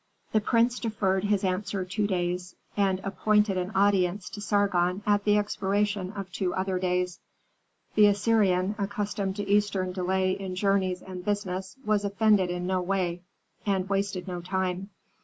The prince deferred his answer two days, and appointed an audience to Sargon at the expiration of two other days. The Assyrian, accustomed to eastern delay in journeys and business, was offended in no way, and wasted no time.